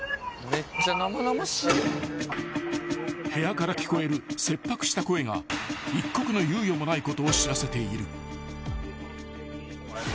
［部屋から聞こえる切迫した声が一刻の猶予もないことを知らせている］